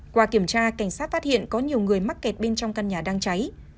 qua kiểm tra cảnh sát phát hiện có nhiều người mắc kẹt bên trong căn nhà đang cháy